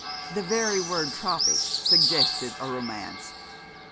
The very word tropic suggested a romance.